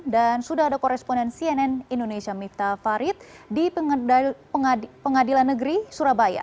dan sudah ada koresponen cnn indonesia miftah farid di pengadilan negeri surabaya